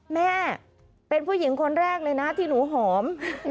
แม่เป็นผู้หญิงคนแรกเลยนะที่หนูหอม